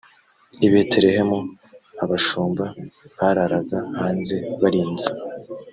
i betelehemu abashumba bararaga hanze barinze